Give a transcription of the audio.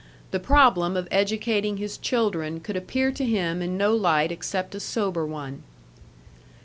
The problem of educating his children could appear to him in no light except a sober one.